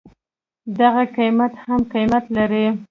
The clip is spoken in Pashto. دغه قيمت هم قيمت لري.